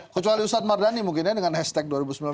kecuali ustadz mardani mungkin dengan hashtag dua ribu dua puluh empat